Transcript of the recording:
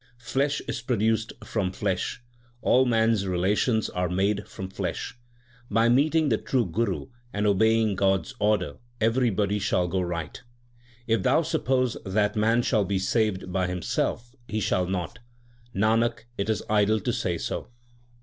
Flesh is produced from flesh ; all man s relations are made from flesh. By meeting the true Guru and obeying God s order, everybody shall go right. // fhou suppose that man shall be saved by himself, he shall not ; Nanak, it is idle to say so.